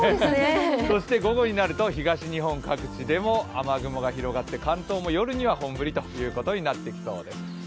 そして午後になると東日本各地でも雨雲が広がって、関東も夜には本降りとなってきそうです。